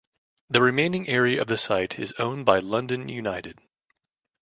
The remaining area of the site is owned by London United.